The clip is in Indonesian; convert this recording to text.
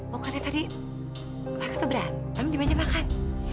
pokoknya tadi mereka tuh berantem dibaca makan